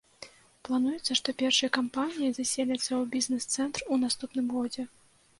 Плануецца, што першыя кампаніі заселяцца ў бізнес-цэнтр у наступным годзе.